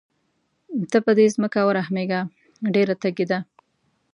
ته په دې ځمکه ورحمېږه ډېره تږې ده.